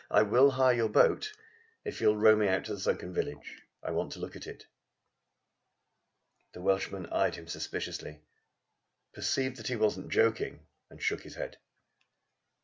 "I will hire your boat if you will row me out to the sunken village. I want to look at it." The Welshman eyed him suspiciously, perceived that he was not joking, and shook his head.